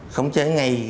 khống chế ngay